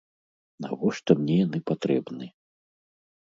Навошта мне яны патрэбны?